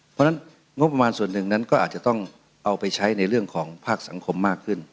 เพราะฉะนั้นงบประมาณส่วนหนึ่งนั้นก็อาจจะต้องเอาไปใช้ในเรื่องของภาคสังคมมากขึ้น